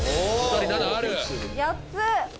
８つ。